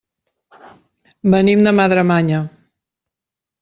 Venim de Madremanya.